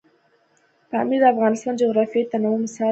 پامیر د افغانستان د جغرافیوي تنوع مثال دی.